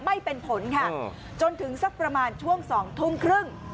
ไม่เป็นผลค่ะจนถึงสักประมาณช่วง๒ทุ่มครึ่ง